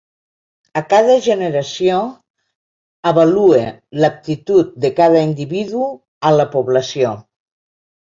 A cada generació avalue l'aptitud de cada individu a la població.